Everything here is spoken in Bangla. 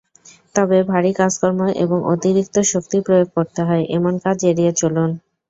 তবে ভারী কাজকর্ম এবং অতিরিক্ত শক্তি প্রয়োগ করতে হয়—এমন কাজ এড়িয়ে চলুন।